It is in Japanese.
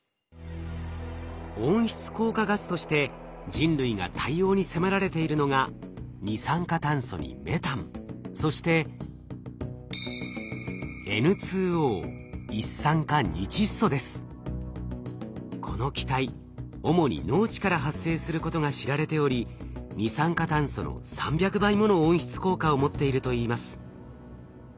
温室効果ガスとして人類が対応に迫られているのが二酸化炭素にメタンそしてこの気体主に農地から発生することが知られており二酸化炭素の３００倍もの温室効果を持っているといいます。